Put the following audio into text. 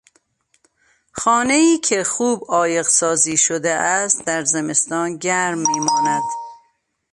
خانهای که خوب عایق سازی شده است در زمستان گرم میماند.